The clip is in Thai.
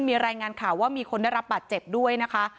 มีรายงานข่าวว่ามีคนได้รับบาดเจ็บด้วยนะคะ